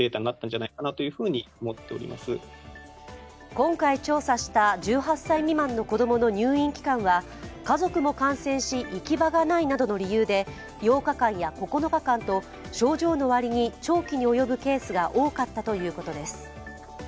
今回調査した１８歳未満の子供の入院期間は、家族も感染し行き場がないなどの理由で８日間や９日間と症状の割に長期に及ぶケースが多かったということです。